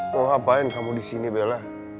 mau ngapain kamu disini bella